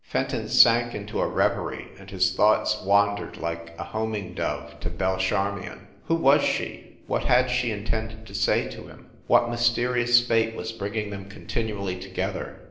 Fenton sank into a reverie, and his thoughts wandered like a homing dove to Belle Charmion. Who was she? what had she intended to say to him? what mysterious fate was bringing them continually together?